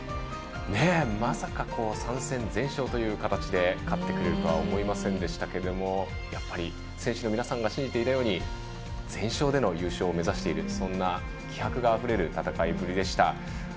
まさか、３戦全勝という形で勝ってくるとは思いませんでしたけれどもやっぱり選手の皆さんが信じていたように全勝での優勝を目指している、そんな気迫があふれる戦いぶりでした。